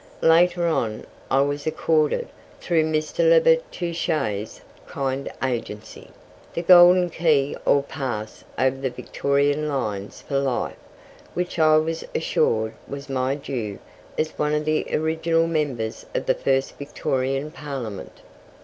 Later on I was accorded, through Mr. Labertouche's kind agency, the golden key or pass over the Victorian lines for life, which I was assured was my due as one of the original members of the first Victorian Parliament.